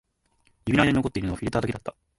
指の間に残っているのはフィルターだけだった